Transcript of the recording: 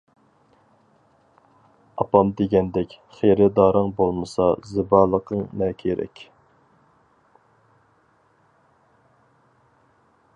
ئاپام دېگەندەك: خېرىدارىڭ بولمىسا زىبالىقىڭ نە كېرەك!